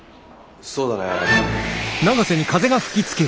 そうだね。